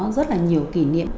rất là nhiều kỷ niệm